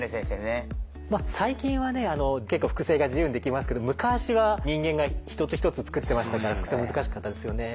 最近はね結構複製が自由にできますけど昔は人間が一つ一つ作ってましたから複製は難しかったですよね。